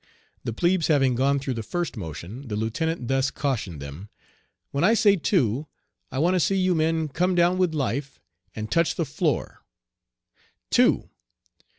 The plebes having gone through the first motion, the lieutenant thus cautioned them: "When I say 'Two!' I want to see you men come down with life, and touch the floor. Two!"